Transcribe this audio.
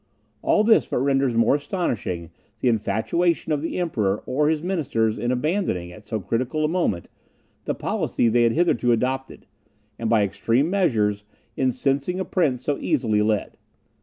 All this but renders more astonishing the infatuation of the Emperor or his ministers in abandoning, at so critical a moment, the policy they had hitherto adopted, and by extreme measures, incensing a prince so easily led.